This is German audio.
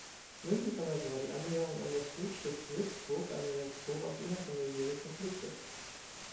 Möglicherweise war die Annäherung an das Hochstift Würzburg eine Reaktion auf innerfamiliäre Konflikte.